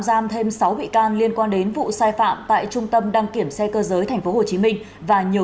giam thêm sáu bị can liên quan đến vụ sai phạm tại trung tâm đăng kiểm xe cơ giới tp hcm và nhiều